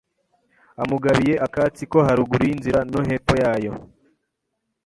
amugabiye akatsi ko haruguru y’inzira no hepfo yayo